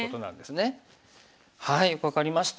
よく分かりました。